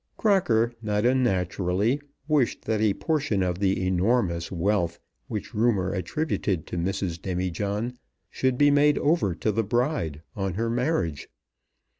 Crocker not unnaturally wished that a portion of the enormous wealth which rumour attributed to Mrs. Demijohn should be made over to the bride on her marriage.